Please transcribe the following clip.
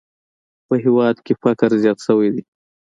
په هېواد کې فقر زیات شوی دی!